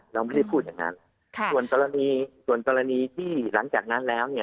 เราไม่ได้พูดอย่างนั้นส่วนกรณีที่หลังจากนั้นแล้ว